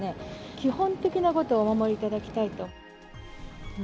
基本的なことをお守りいただきたいと。